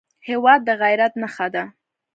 هېواد د غیرت نښه ده.